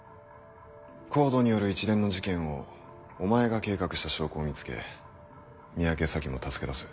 ＣＯＤＥによる一連の事件をお前が計画した証拠を見つけ三宅咲も助け出す。